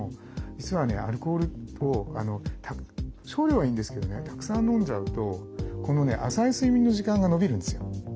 実はねアルコールを少量はいいんですけどねたくさん飲んじゃうとこのね浅い睡眠の時間が延びるんですよ。